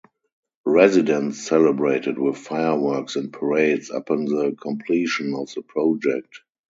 Residents celebrated with fireworks and parades upon the completion of the project.